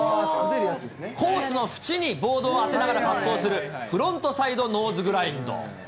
コースのふちにボードを当てながら滑走するフロントサイドノーズグラインド。